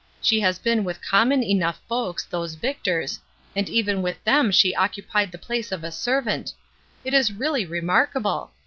She has been with common enough folks, those Victors, and even with them she occupied the place of a servant. It is really remarkable